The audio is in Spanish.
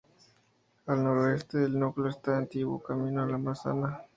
Al noroeste del núcleo está el antiguo camino de La Massana.